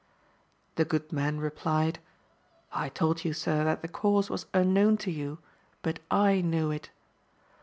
The good man replied, I told you, sir, that the cause was unknown to you, but I know it.